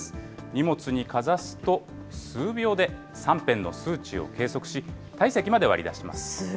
荷物にかざすと数秒で３辺の数値を計測し、体積まで割り出します。